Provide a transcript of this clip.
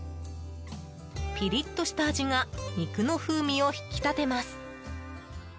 ピリッとした味が肉の風味を引き立てます。